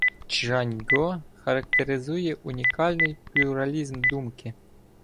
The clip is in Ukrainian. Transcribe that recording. Чжаньґо характеризує унікальний плюралізм думки.